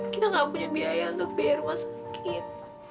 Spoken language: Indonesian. kita gak punya biaya untuk biar rumah sakit